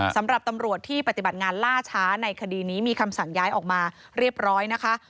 สำหรับตำรวจที่ปฏิบัติงานล่าช้าในคดีนี้มีคำสั่งย้ายออกมาเรียบร้อยนะคะ